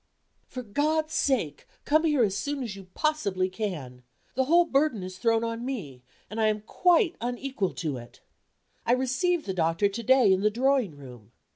For God's sake come here as soon as you possibly can. The whole burden is thrown on me and I am quite unequal to it. I received the doctor to day in the drawing room.